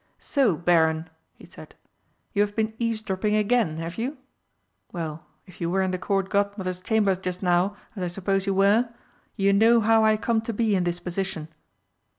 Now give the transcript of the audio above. "So, Baron," he said, "you have been eavesdropping again, have you? Well, if you were in the Court Godmother's chamber just now, as I suppose you were, you know how I come to be in this position."